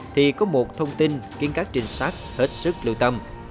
thì có một thông tin khiến các trinh sát hết sức lưu tâm